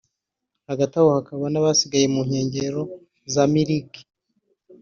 Hagati aho hakaba n’abasigaye mu nkengero za Miriki